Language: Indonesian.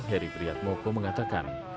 heri priat moko mengatakan